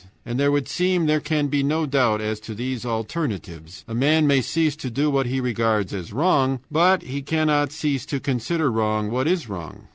And there would seem there can be no doubt as to these alternatives. A man may cease to do what he regards as wrong, but he cannot cease to consider wrong what is wrong.